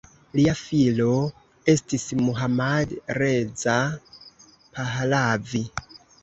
Lia filo estis Mohammad Reza Pahlavi.